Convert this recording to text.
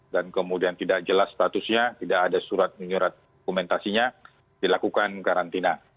dan kemudian tidak jelas statusnya tidak ada surat surat komentasinya dilakukan karantina